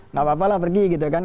nggak apa apalah pergi gitu kan